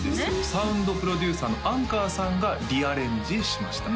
サウンドプロデューサーのＡＮＣＨＯＲさんがリアレンジしました